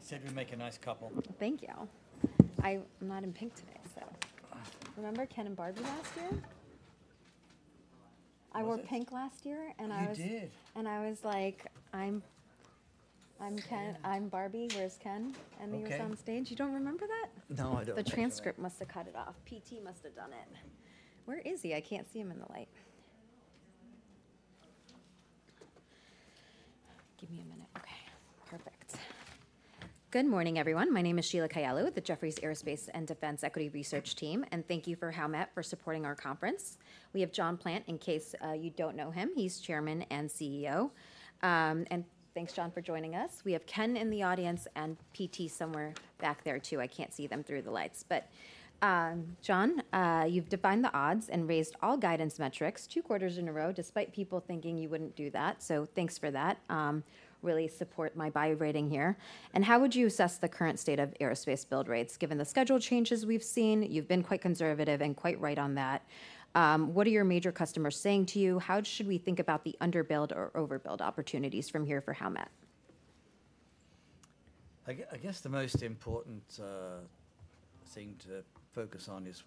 Okay. So- They said we make a nice couple. Thank you. I'm not in pink today, so. Ah. Remember Ken and Barbie last year? Was it- I wore pink last year, and I was- You did! I was like, "I'm Ken- Ken. I'm Barbie, where's Ken? Okay. He was on stage. You don't remember that? No, I don't. The transcript must have cut it off. PT must have done it. Where is he? I can't see him in the light. Give me a minute. Okay, perfect. Good morning, everyone. My name is Sheila Kahyaoglu with the Jefferies Aerospace and Defense Equity Research Team, and thank you for Howmet for supporting our conference. We have John Plant, in case you don't know him, he's Chairman and CEO. And thanks, John, for joining us. We have Ken in the audience and PT somewhere back there, too. I can't see them through the lights, but John, you've defied the odds and raised all guidance metrics two quarters in a row, despite people thinking you wouldn't do that, so thanks for that. Really support my buy rating here. And how would you assess the current state of aerospace build rates, given the schedule changes we've seen? You've been quite conservative and quite right on that. What are your major customers saying to you? How should we think about the under-build or over-build opportunities from here for Howmet? I guess the most important thing to focus on is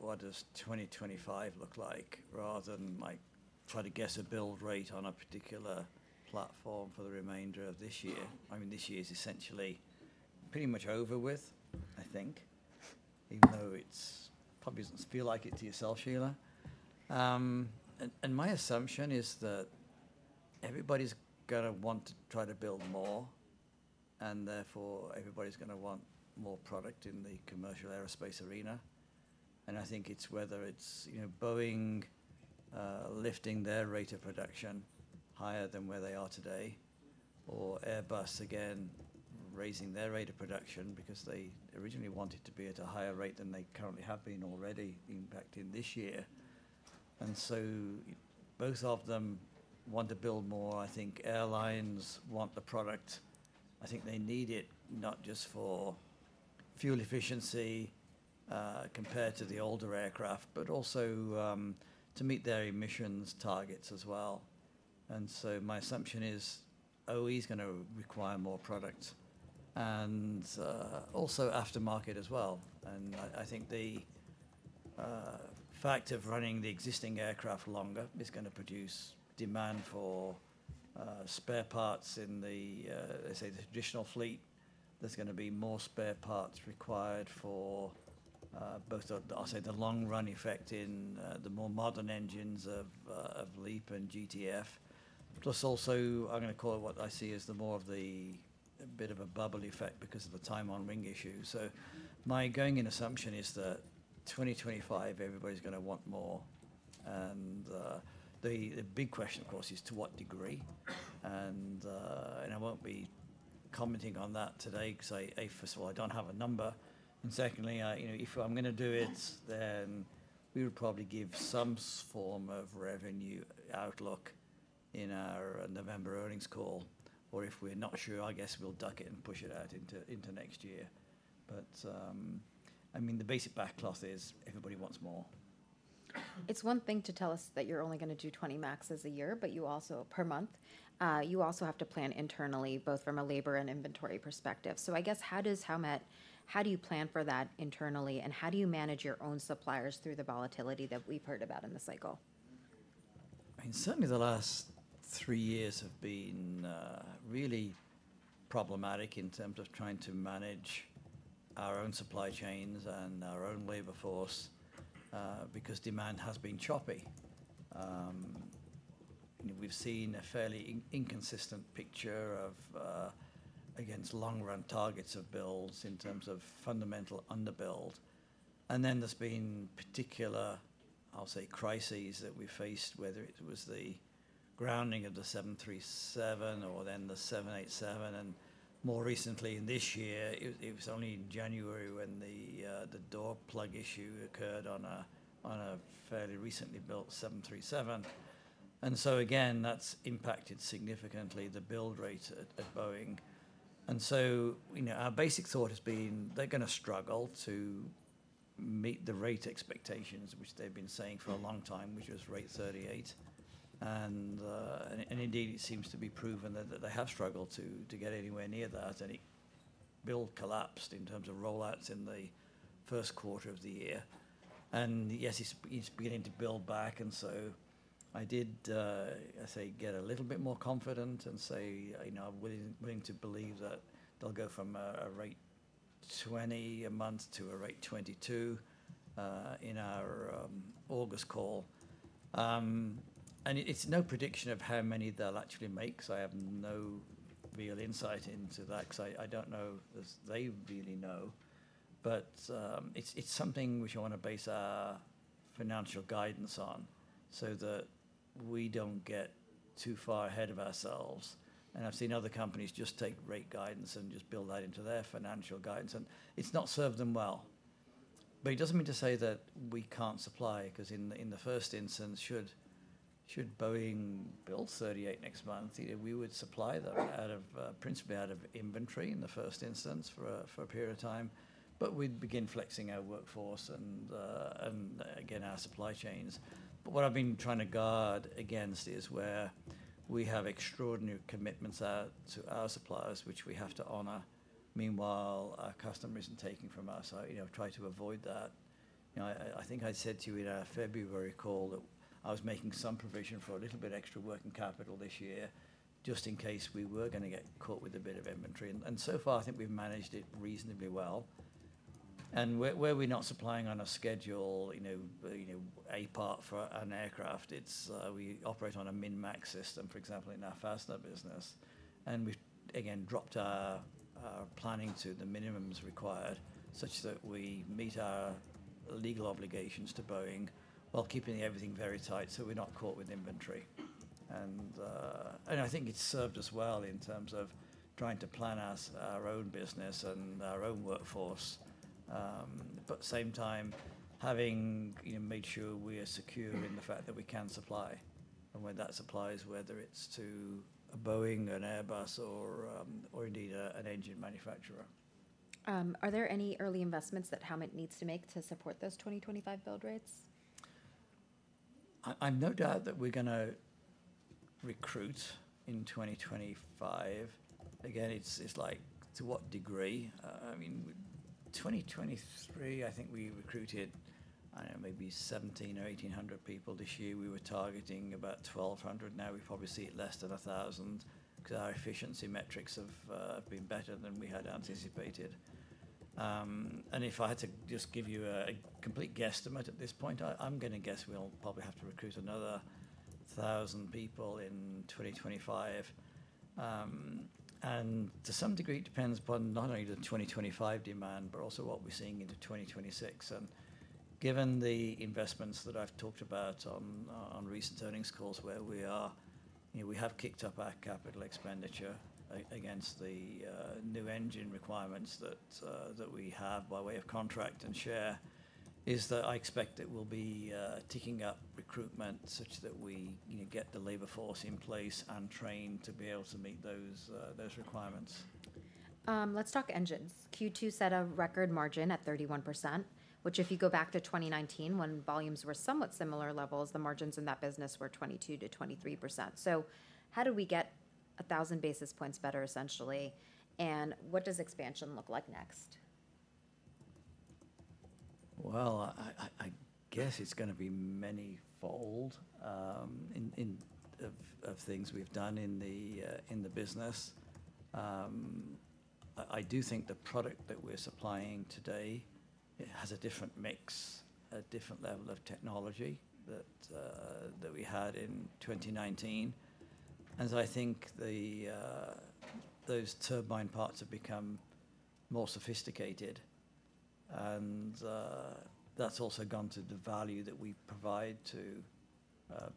what does 2025 look like, rather than, like, try to guess a build rate on a particular platform for the remainder of this year. I mean, this year is essentially pretty much over with, I think, even though it's probably doesn't feel like it to yourself, Sheila. And my assumption is that everybody's gonna want to try to build more, and therefore, everybody's gonna want more product in the commercial aerospace arena. And I think it's whether it's, you know, Boeing lifting their rate of production higher than where they are today, or Airbus again raising their rate of production because they originally wanted to be at a higher rate than they currently have been already, even back in this year. And so both of them want to build more. I think airlines want the product. I think they need it not just for fuel efficiency, compared to the older aircraft, but also to meet their emissions targets as well, and so my assumption is OEM's gonna require more product and also aftermarket as well, and I think the fact of running the existing aircraft longer is gonna produce demand for spare parts in the, let's say, the traditional fleet. There's gonna be more spare parts required for both the, I'll say, the long-run effect in the more modern engines of LEAP and GTF. Plus, also, I'm gonna call it what I see as the more of the bit of a bubble effect because of the time on wing issue. So my going-in assumption is that 2025, everybody's gonna want more, and the big question, of course, is: to what degree? And I won't be commenting on that today because I, first of all, I don't have a number, and secondly, I, you know, if I'm gonna do it, then we would probably give some form of revenue outlook in our November earnings call, or if we're not sure, I guess we'll duck it and push it out into next year. But, I mean, the basic back cloth is everybody wants more. It's one thing to tell us that you're only gonna do 20 MAXes a year, but you also - per month you also have to plan internally, both from a labor and inventory perspective. So I guess, how does Howmet - how do you plan for that internally, and how do you manage your own suppliers through the volatility that we've heard about in the cycle? I mean, certainly the last three years have been really problematic in terms of trying to manage our own supply chains and our own labor force because demand has been choppy. And we've seen a fairly inconsistent picture of against long-run targets of builds in terms of fundamental under-build. And then there's been particular, I'll say, crises that we faced, whether it was the grounding of the 737 or then the 787, and more recently, this year, it was only in January when the door plug issue occurred on a fairly recently built 737. And so again, that's impacted significantly the build rate at Boeing. And so, you know, our basic thought has been they're gonna struggle to meet the rate expectations, which they've been saying for a long time, which was rate 38. And indeed, it seems to be proven that they have struggled to get anywhere near that, and build collapsed in terms of rollouts in the Q1 of the year. Yes, it's beginning to build back, and so I did, I say, get a little bit more confident and say, you know, I'm willing to believe that they'll go from a rate 20 a month to a rate 22 in our August call. It's no prediction of how many they'll actually make, so I have no real insight into that because I don't know if they really know. It's something which I want to base our financial guidance on so that we don't get too far ahead of ourselves. I've seen other companies just take rate guidance and just build that into their financial guidance, and it's not served them well. But it doesn't mean to say that we can't supply, because in the first instance, should Boeing build 38 next month, we would supply them out of principally out of inventory in the first instance for a period of time, but we'd begin flexing our workforce and again, our supply chains. But what I've been trying to guard against is where we have extraordinary commitments to our suppliers, which we have to honor. Meanwhile, our customer isn't taking from us, so you know, try to avoid that. You know, I think I said to you in our February call that I was making some provision for a little bit extra working capital this year, just in case we were gonna get caught with a bit of inventory, and so far, I think we've managed it reasonably well. And where we're not supplying on a schedule, you know, a part for an aircraft, it's - we operate on a min-max system, for example, in our faster business. And we've again dropped our planning to the minimums required, such that we meet our legal obligations to Boeing while keeping everything very tight, so we're not caught with inventory. And I think it's served us well in terms of trying to plan our own business and our own workforce. But at the same time, having, you know, made sure we are secure in the fact that we can supply, and when that supply is, whether it's to a Boeing, an Airbus, or indeed, an engine manufacturer. Are there any early investments that Howmet needs to make to support those 2025 build rates? I've no doubt that we're gonna recruit in 2025. Again, it's like, to what degree? I mean, 2023, I think we recruited, I don't know, maybe 1700 or 1800 people. This year we were targeting about 1200. Now we probably see it less than 1000, because our efficiency metrics have been better than we had anticipated. And if I had to just give you a complete guesstimate at this point, I'm gonna guess we'll probably have to recruit another 1000 people in 2025. And to some degree, it depends upon not only the 2025 demand, but also what we're seeing into 2026. And given the investments that I've talked about on recent earnings calls, where we are, you know, we have kicked up our capital expenditure against the new engine requirements that we have by way of contract and share, is that I expect it will be ticking up recruitment such that we, you know, get the labor force in place and trained to be able to meet those requirements. Let's talk engines. Q2 set a record margin at 31%, which if you go back to 2019, when volumes were somewhat similar levels, the margins in that business were 22%-23%. So how do we get 1,000 basis points better, essentially, and what does expansion look like next? Well, I guess it's gonna be manifold in many of the things we've done in the business. I do think the product that we're supplying today, it has a different mix, a different level of technology that we had in 2019. And so I think those turbine parts have become more sophisticated, and that's also gone to the value that we provide to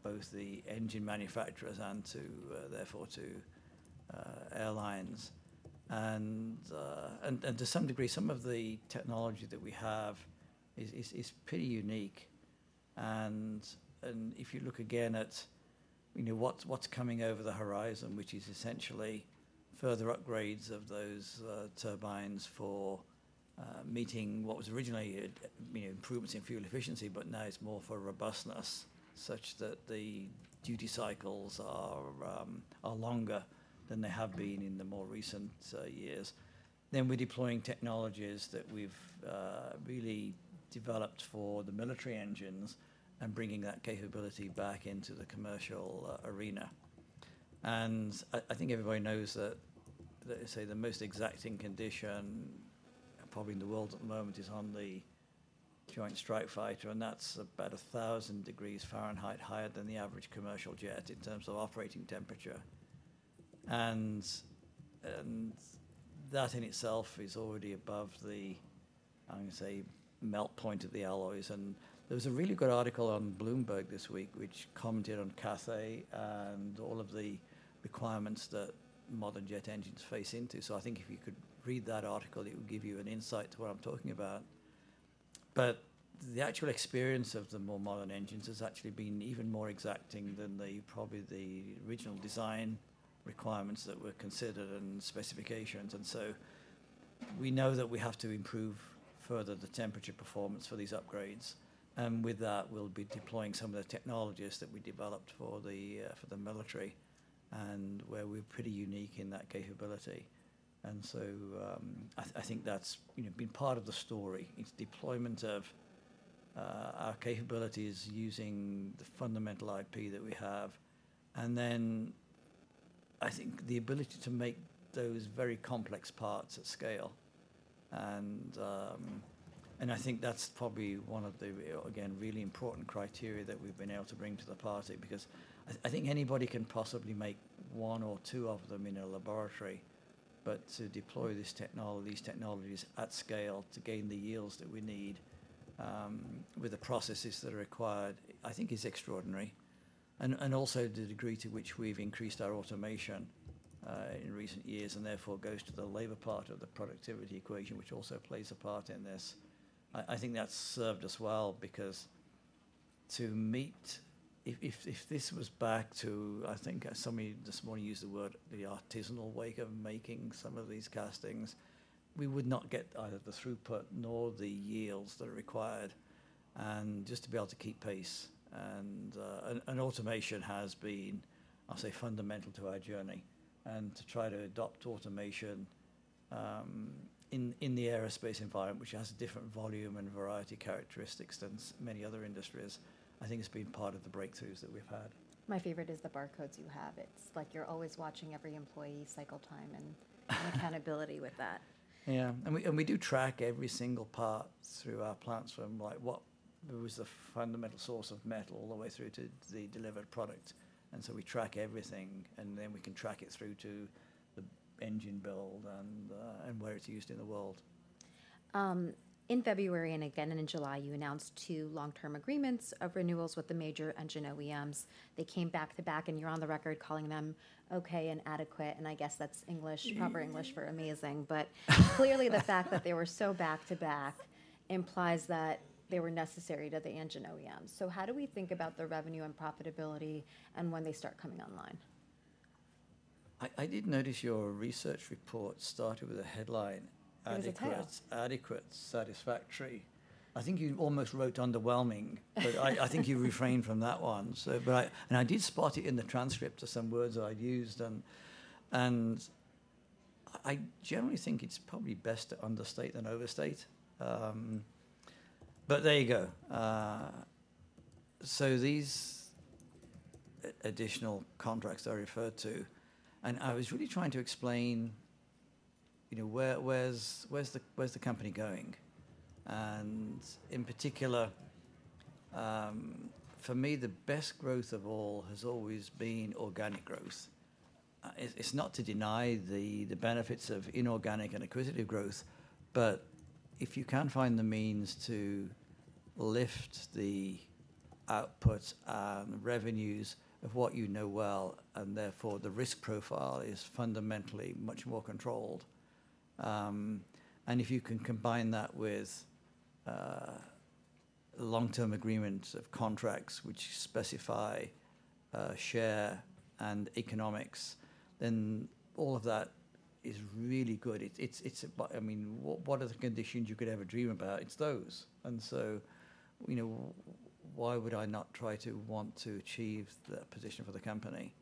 both the engine manufacturers and therefore to airlines. And to some degree, some of the technology that we have is pretty unique. If you look again at, you know, what's coming over the horizon, which is essentially further upgrades of those turbines for meeting what was originally, you know, improvements in fuel efficiency, but now it's more for robustness, such that the duty cycles are longer than they have been in the more recent years. Then we're deploying technologies that we've really developed for the military engines and bringing that capability back into the commercial arena. I think everybody knows that, let's say, the most exacting condition, probably in the world at the moment, is on the Joint Strike Fighter, and that's about 1,000 degrees Fahrenheit higher than the average commercial jet in terms of operating temperature. That in itself is already above the, I'm gonna say, melt point of the alloys. There was a really good article on Bloomberg this week, which commented on Cathay and all of the requirements that modern jet engines face into. I think if you could read that article, it would give you an insight to what I'm talking about. The actual experience of the more modern engines has actually been even more exacting than probably the original design requirements that were considered and specifications. We know that we have to improve further the temperature performance for these upgrades, and with that, we'll be deploying some of the technologies that we developed for the military, and where we're pretty unique in that capability. I think that's, you know, been part of the story. It's deployment of our capabilities using the fundamental IP that we have, and then I think the ability to make those very complex parts at scale, and I think that's probably one of the, again, really important criteria that we've been able to bring to the party, because I think anybody can possibly make one or two of them in a laboratory, but to deploy this technology, these technologies at scale, to gain the yields that we need with the processes that are required, I think is extraordinary, and also the degree to which we've increased our automation in recent years, and therefore goes to the labor part of the productivity equation, which also plays a part in this. I think that's served us well, because to meet - If this was back to, I think somebody this morning used the word, the artisanal way of making some of these castings, we would not get either the throughput nor the yields that are required, and just to be able to keep pace. And automation has been, I'll say, fundamental to our journey, and to try to adopt automation in the aerospace environment, which has a different volume and variety characteristics than many other industries, I think has been part of the breakthroughs that we've had. My favorite is the barcodes you have. It's like you're always watching every employee cycle time, and accountability with that. Yeah. We do track every single part through our plants, from like what, where was the fundamental source of metal, all the way through to the delivered product, and so we track everything, and then we can track it through to the engine build and where it's used in the world. In February, and again in July, you announced two long-term agreements of renewals with the major engine OEMs. They came back-to-back, and you're on the record calling them, "Okay and adequate," and I guess that's proper English for amazing. But clearly, the fact that they were so back-to-back implies that they were necessary to the engine OEMs. So how do we think about the revenue and profitability, and when they start coming online? I did notice your research report started with the headline- It was a tag. Adequate. Adequate. Satisfactory. I think you almost wrote underwhelming, but I think you refrained from that one, so but I and I did spot it in the transcript of some words that I'd used, and, and I, I generally think it's probably best to understate than overstate. But there you go. So these additional contracts I referred to, and I was really trying to explain, you know, where's the company going? And in particular, for me, the best growth of all has always been organic growth. It's not to deny the benefits of inorganic and acquisitive growth, but if you can find the means to lift the output and revenues of what you know well, and therefore, the risk profile is fundamentally much more controlled. And if you can combine that with long-term agreements of contracts which specify share and economics, then all of that is really good. I mean, what other conditions you could ever dream about? It's those. You know, why would I not try to want to achieve that position for the company?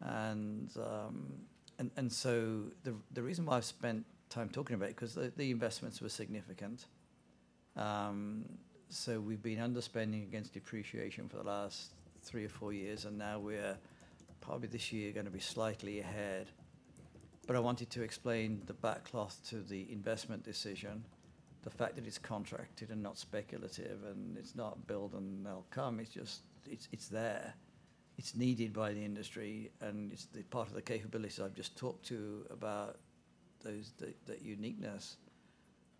The reason why I've spent time talking about it is 'cause the investments were significant, so we've been underspending against depreciation for the last three or four years, and now we're probably this year gonna be slightly ahead, but I wanted to explain the backcloth to the investment decision, the fact that it's contracted and not speculative, and it's not build and they'll come, it's just - it's there. It's needed by the industry, and it's the part of the capabilities I've just talked about those, that uniqueness.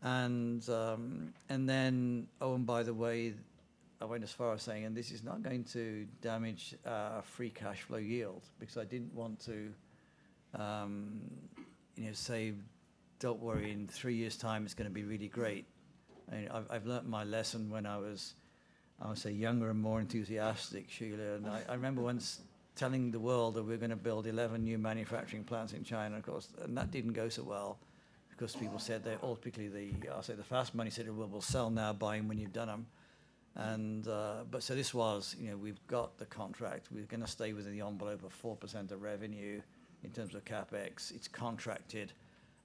And then - oh, and by the way, I went as far as saying, "And this is not going to damage our free cash flow yield," because I didn't want to, you know, say, "Don't worry, in three years' time, it's gonna be really great." I've learned my lesson when I was, I would say, younger and more enthusiastic, Sheila. And I remember once telling the world that we're gonna build eleven new manufacturing plants in China, of course, and that didn't go so well, because people said they - ultimately, say, the fast money said, we'll sell now, buy them when you've done them. And but so this was, you know, we've got the contract. We're gonna stay within the envelope of 4% of revenue in terms of CapEx. It's contracted,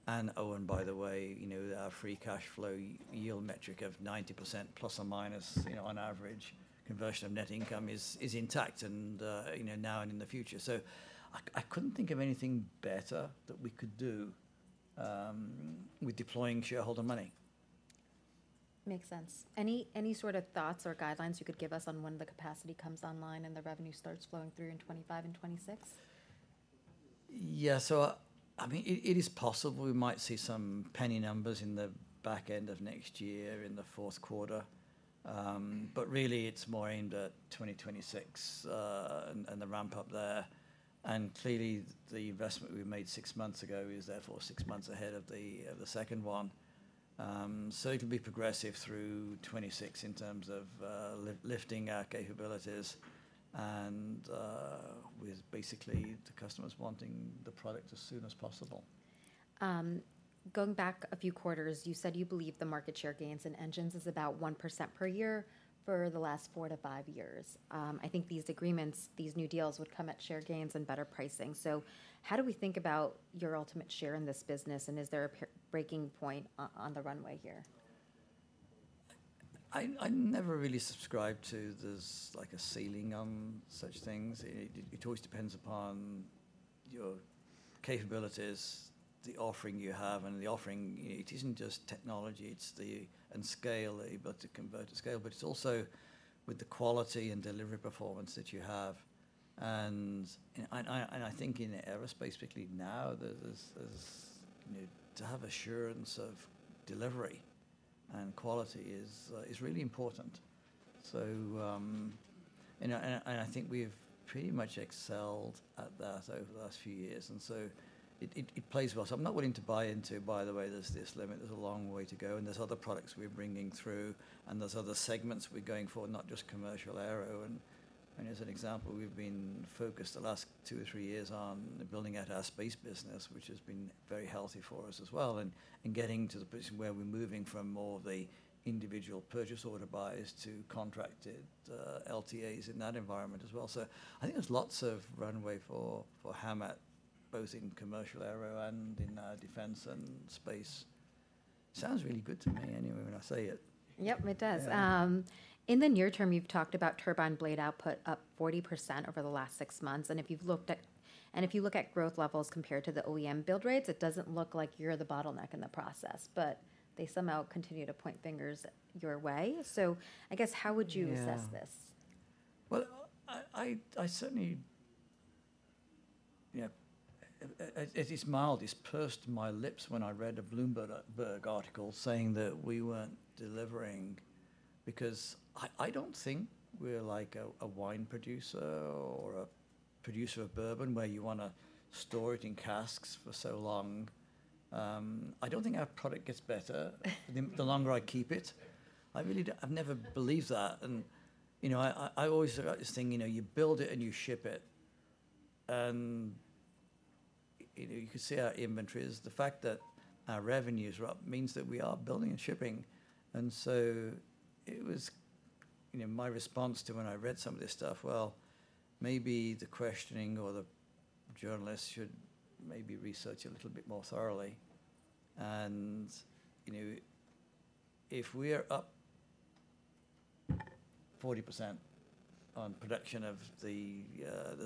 and, oh, and by the way, you know, our free cash flow yield metric of 90% plus or minus, you know, on average, conversion of net income is intact, and, you know, now and in the future. So I couldn't think of anything better that we could do with deploying shareholder money. Makes sense. Any sort of thoughts or guidelines you could give us on when the capacity comes online and the revenue starts flowing through in 2025 and 2026? Yeah. So, I mean, it is possible we might see some penny numbers in the back end of next year, in the Q4. But really, it's more aimed at 2026, and the ramp up there. And clearly, the investment we made six months ago is therefore six months ahead of the second one. So it'll be progressive through 2026 in terms of lifting our capabilities and with basically the customers wanting the product as soon as possible. Going back a few quarters, you said you believe the market share gains in engines is about 1% per year for the last four to five years. I think these agreements, these new deals, would come at share gains and better pricing. So how do we think about your ultimate share in this business, and is there a breaking point on the runway here? I never really subscribed to there's like a ceiling on such things. It always depends upon your capabilities, the offering you have, and the offering, it isn't just technology, it's the and scale, the ability to convert to scale, but it's also with the quality and delivery performance that you have. And I think in aerospace, particularly now, there's you know, to have assurance of delivery and quality is really important. So and I think we've pretty much excelled at that over the last few years, and so it plays well. So I'm not willing to buy into, by the way, there's this limit, there's a long way to go, and there's other products we're bringing through, and there's other segments we're going for, not just commercial aero. And as an example, we've been focused the last two or three years on building out our space business, which has been very healthy for us as well, and getting to the position where we're moving from more of the individual purchase order buys to contracted LTAs in that environment as well. So I think there's lots of runway for Howmet, both in commercial aero and in defense and space. Sounds really good to me anyway, when I say it. Yep, it does. Yeah. In the near term, you've talked about turbine blade output up 40% over the last six months, and if you look at growth levels compared to the OEM build rates, it doesn't look like you're the bottleneck in the process, but they somehow continue to point fingers your way. So I guess, how would you assess this? Yeah. Well, I certainly - yeah, it's mild, at least pursed my lips when I read a Bloomberg article saying that we weren't delivering, because I don't think we're like a wine producer or a producer of bourbon, where you wanna store it in casks for so long. I don't think our product gets better, the longer I keep it. I really don't. I've never believed that. And, you know, I always thought this thing, you know, you build it and you ship it. And, you know, you can see our inventories. The fact that our revenues are up means that we are building and shipping, and so it was, you know, my response to when I read some of this stuff. Well, maybe the questioning or the journalists should maybe research a little bit more thoroughly. And, you know, if we're up 40% on production of the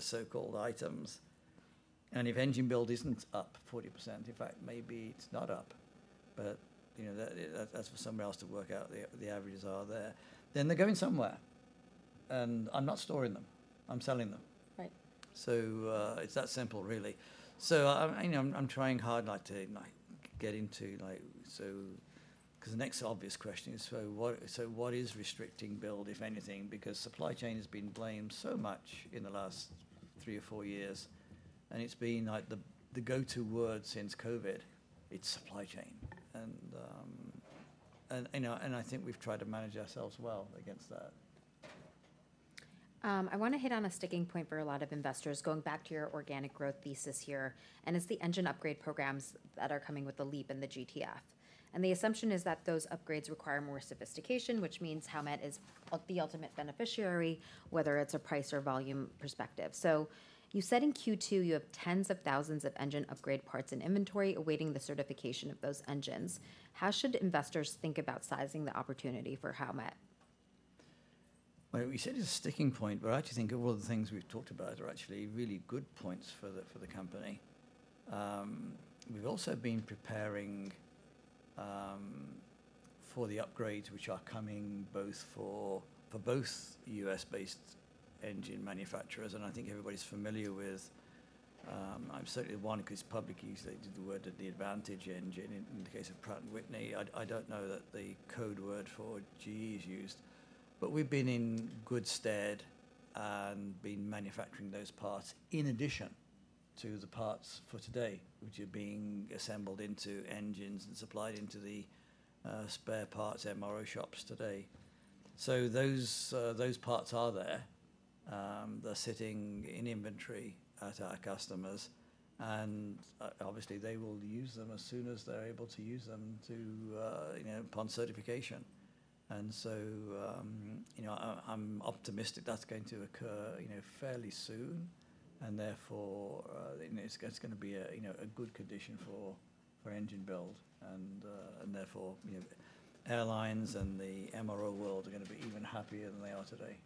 so-called items, and if engine build isn't up 40%, in fact, maybe it's not up, but, you know, that, that's for somebody else to work out. The averages are there, then they're going somewhere. And I'm not storing them, I'm selling them. Right. So, it's that simple, really. So I - you know, I'm trying hard not to, like, get into like - so, cause the next obvious question is, so what, so what is restricting build, if anything? Because supply chain has been blamed so much in the last three or four years, and it's been, like, the go-to word since COVID, it's supply chain. And, you know, I think we've tried to manage ourselves well against that. I wanna hit on a sticking point for a lot of investors, going back to your organic growth thesis here, and it's the engine upgrade programs that are coming with the LEAP and the GTF. The assumption is that those upgrades require more sophistication, which means Howmet is the ultimate beneficiary, whether it's a price or volume perspective. So you said in Q2, you have tens of thousands of engine upgrade parts in inventory, awaiting the certification of those engines. How should investors think about sizing the opportunity for Howmet? Well, you said it's a sticking point, but I actually think of all the things we've talked about are actually really good points for the company. We've also been preparing for the upgrades which are coming both for both U.S.-based engine manufacturers, and I think everybody's familiar with. I'm certainly one, because publicly you stated the word that the Advantage Engine, in the case of Pratt & Whitney. I don't know that the code word for GE is used, but we've been in good stead and been manufacturing those parts in addition to the parts for today, which are being assembled into engines and supplied into the spare parts MRO shops today. So those parts are there. They're sitting in inventory at our customers, and obviously, they will use them as soon as they're able to use them to, you know, upon certification, and so, you know, I'm optimistic that's going to occur, you know, fairly soon, and therefore, you know, it's gonna be a, you know, a good condition for engine build, and therefore, you know, airlines and the MRO world are gonna be even happier than they are today.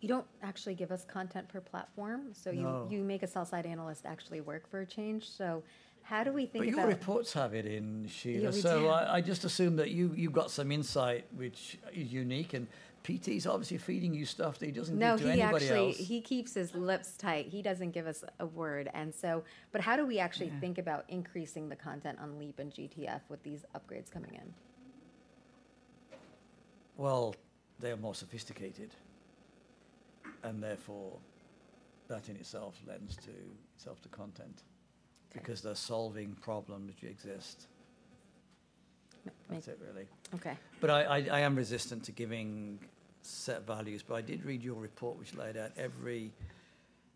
You don't actually give us content per platform, so you- No You make a sell-side analyst actually work for a change, so how do we think about- But your reports have it in, Sheila. Yeah, we do. So I just assume that you've got some insight which is unique, and PT's obviously feeding you stuff that he doesn't give to anybody else. No, he actually, he keeps his lips tight. He doesn't give us a word, and so... But how do we actually- Yeah... think about increasing the content on LEAP and GTF with these upgrades coming in? They are more sophisticated, and therefore, that in itself lends itself to content because they're solving problems which exist. Right. That's it, really. Okay. But I am resistant to giving set values, but I did read your report, which laid out every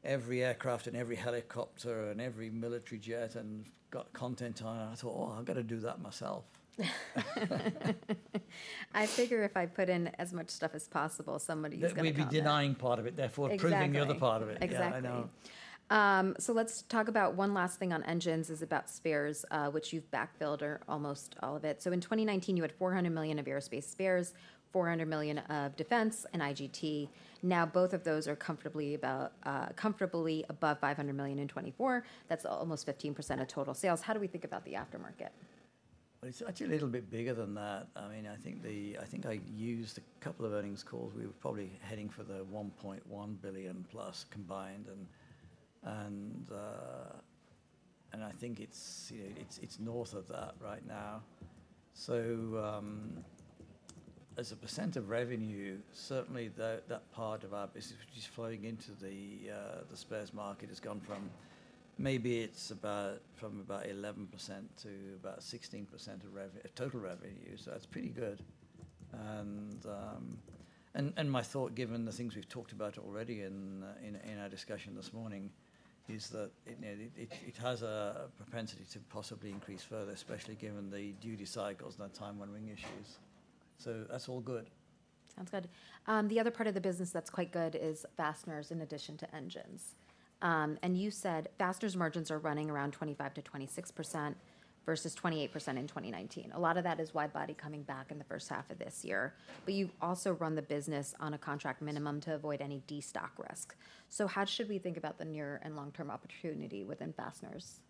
aircraft and every helicopter and every military jet and got content on it, and I thought, "Oh, I've got to do that myself. I figure if I put in as much stuff as possible, somebody's gonna come back. Then we'd be denying part of it, therefore- Exactly Proving the other part of it. Exactly. Yeah, I know. So let's talk about one last thing on engines, is about spares, which you've backfilled or almost all of it. So in 2019, you had $400 million of aerospace spares, $400 million of defense and IGT. Now, both of those are comfortably about, comfortably above $500 million in 2024. That's almost 15% of total sales. How do we think about the aftermarket? It's actually a little bit bigger than that. I mean, I think I used a couple of earnings calls. We were probably heading for the $1.1 billion-plus combined, and I think it's, you know, it's north of that right now. As a percent of revenue, certainly that part of our business which is flowing into the spares market has gone from about 11% to about 16% of total revenue, so that's pretty good. And my thought, given the things we've talked about already in our discussion this morning, is that it, you know, it has a propensity to possibly increase further, especially given the duty cycles and that time when ring issues. That's all good. Sounds good. The other part of the business that's quite good is fasteners in addition to engines. And you said fasteners margins are running around 25%-26% versus 28% in 2019. A lot of that is widebody coming back in the first half of this year. But you've also run the business on a contract minimum to avoid any destock risk. So how should we think about the near and long-term opportunity within fasteners?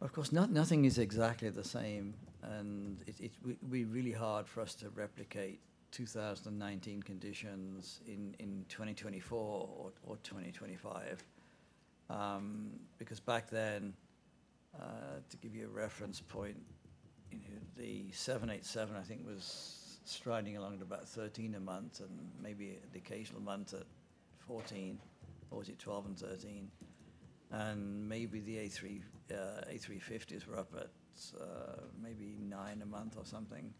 Of course, nothing is exactly the same, and it would be really hard for us to replicate 2019 conditions in 2024 or 2025. Because back then, to give you a reference point, you know, the 787 I think was striding along at about 13 a month, and maybe the occasional month at 14, or was it 12 and 13, and maybe the A350s were up at maybe 9 a month or something.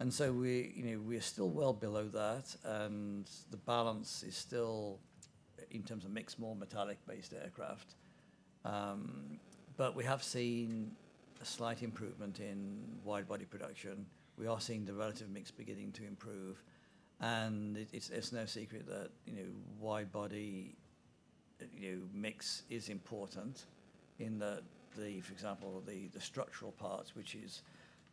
And so we, you know, we're still well below that, and the balance is still, in terms of mix, more metallic-based aircraft. But we have seen a slight improvement in widebody production. We are seeing the relative mix beginning to improve, and it's no secret that, you know, widebody mix is important in that the... For example, the structural parts, which is,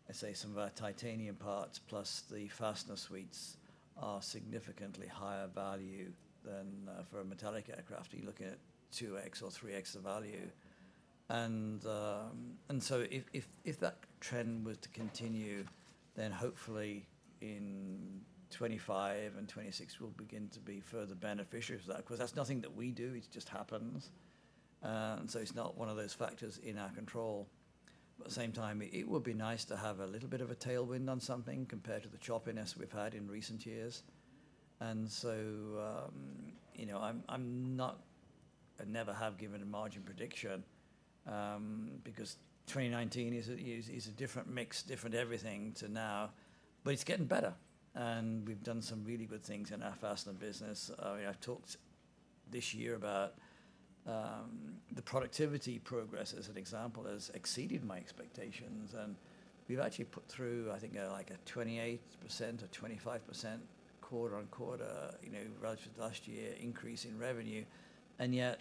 let's say some of our titanium parts, plus the fastener suites are significantly higher value than for a metallic aircraft. You're looking at two X or three X the value. And so if that trend were to continue, then hopefully in 2025 and 2026 we'll begin to be further beneficiaries of that, 'cause that's nothing that we do, it just happens. So it's not one of those factors in our control. But at the same time, it would be nice to have a little bit of a tailwind on something compared to the choppiness we've had in recent years. And so, you know, I never have given a margin prediction, because 2019 is a different mix, different everything to now. But it's getting better, and we've done some really good things in our fastener business. I mean, I've talked this year about the productivity progress as an example has exceeded my expectations, and we've actually put through, I think, like a 28% or 25% quarter on quarter, you know, relative to last year, increase in revenue, and yet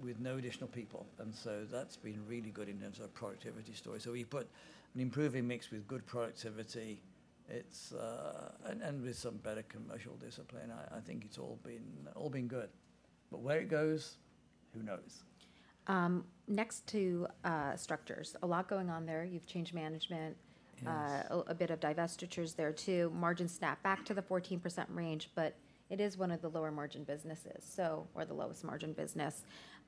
with no additional people. And so that's been really good in terms of productivity story. So we've put an improving mix with good productivity. It's and with some better commercial discipline, I think it's all been good. But where it goes, who knows? Next to structures. A lot going on there. You've changed management. Yes. A bit of divestitures there too. Margins snap back to the 14% range, but it is one of the lower margin businesses, so, or the lowest margin business.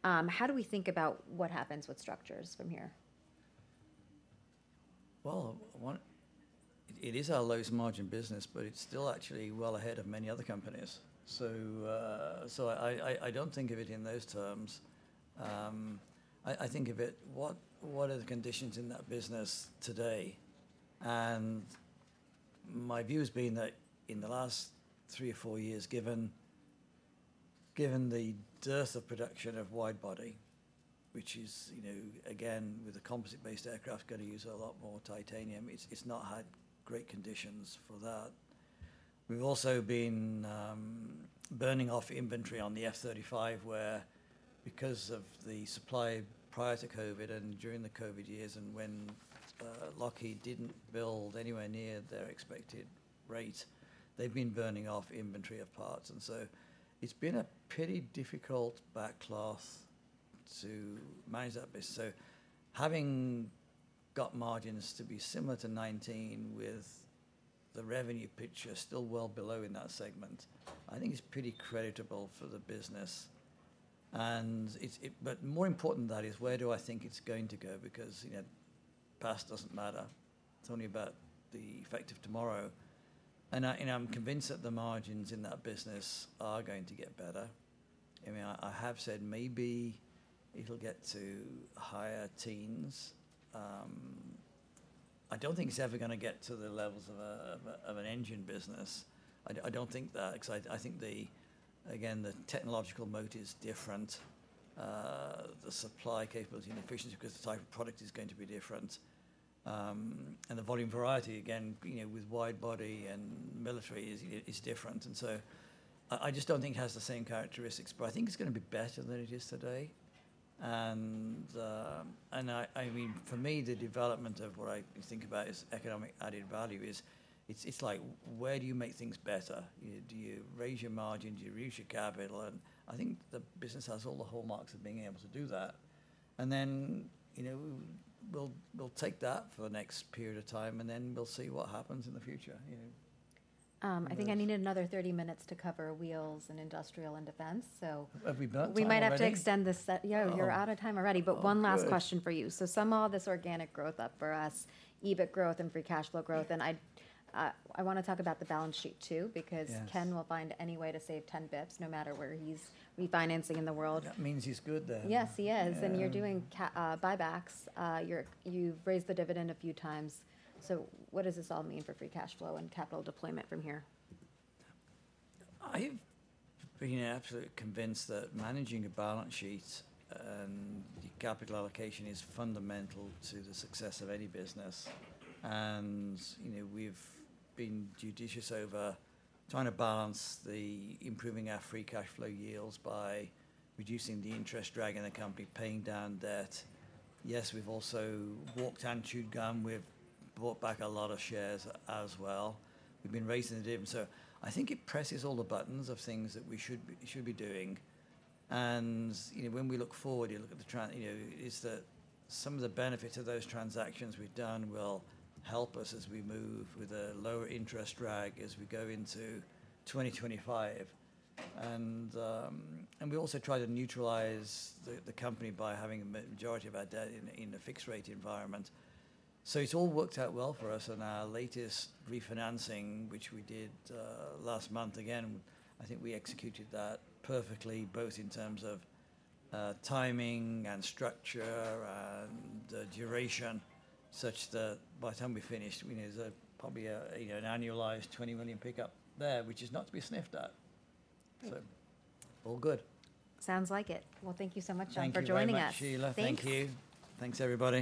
How do we think about what happens with structures from here? One, it is our lowest margin business, but it's still actually well ahead of many other companies. So, I don't think of it in those terms. I think of it. What are the conditions in that business today? And my view has been that in the last three or four years, given the dearth of production of widebody, which is, you know, again, with the composite-based aircraft going to use a lot more titanium, it's not had great conditions for that. We've also been burning off inventory on the F-35, where because of the supply prior to COVID and during the COVID years and when Lockheed didn't build anywhere near their expected rate, they've been burning off inventory of parts, and so it's been a pretty difficult backlog to manage that business. Having got margins to be similar to 2019 with the revenue picture still well below in that segment, I think it's pretty creditable for the business. And it but more important than that is, where do I think it's going to go? Because, you know, past doesn't matter. It's only about the effect of tomorrow. And I'm convinced that the margins in that business are going to get better. I mean, I have said maybe it'll get to higher teens. I don't think it's ever gonna get to the levels of a, of a, of an engine business. I don't think that, 'cause I think again, the technological moat is different. The supply capability and efficiency, 'cause the type of product is going to be different. And the volume variety, again, you know, with widebody and military is different, and so I just don't think it has the same characteristics, but I think it's gonna be better than it is today. And I mean, for me, the development of what I think about is economic added value. It's like, where do you make things better? Do you raise your margins? Do you raise your capital? And I think the business has all the hallmarks of being able to do that. And then, you know, we'll take that for the next period of time, and then we'll see what happens in the future, you know? I think I needed another thirty minutes to cover wheels and industrial and defense, so- Have we done time already? We might have to extend this se- Oh. Yeah, you're out of time already. Oh, good. But one last question for you. So sum all this organic growth up for us, EBIT growth and free cash flow growth and I want to talk about the balance sheet too. Yes Because Ken will find any way to save 10 basis points, no matter where he's refinancing in the world. That means he's good, then. Yes, he is. Yeah. You're doing buybacks. You've raised the dividend a few times. What does this all mean for free cash flow and capital deployment from here? I've been absolutely convinced that managing a balance sheet and capital allocation is fundamental to the success of any business, and you know, we've been judicious over trying to balance the improving our free cash flow yields by reducing the interest drag in the company, paying down debt. Yes, we've also walked and chewed gum. We've bought back a lot of shares as well. We've been raising the dividend, so I think it presses all the buttons of things that we should be, we should be doing, and you know, when we look forward, you look at the trend, you know, is that some of the benefits of those transactions we've done will help us as we move with a lower interest drag as we go into 2025. We also try to neutralize the company by having a majority of our debt in a fixed-rate environment. It's all worked out well for us on our latest refinancing, which we did last month. Again, I think we executed that perfectly, both in terms of timing and structure, and duration, such that by the time we finished, you know, there's probably a you know an annualized $20 million pickup there, which is not to be sniffed at. So all good. Sounds like it. Well, thank you so much, John for joining us. Thank you very much, Sheila. Thank you. Thank you. Thanks, everybody.